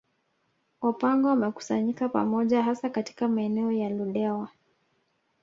Wapangwa wamekusanyika pamoja hasa katika maeneo ya Ludewa